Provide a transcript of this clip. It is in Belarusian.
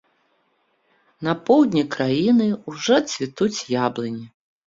На поўдні краіны ўжо цвітуць яблыні.